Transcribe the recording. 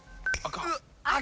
赤。